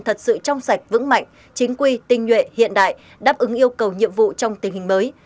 thật sự trong sạch vững mạnh chính quy tinh nhuệ hiện đại đáp ứng yêu cầu nhiệm vụ trong tình hình mới